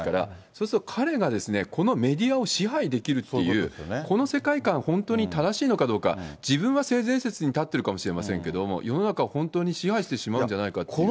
そうすると、彼がこのメディアを支配できるという、この世界観、本当に正しいのかどうか、自分は性善説に立ってるかもしれませんけれども、世の中を本当に支配してしまうんじゃないかっていう。